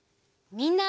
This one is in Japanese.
みんな！